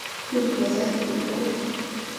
治所在梓州。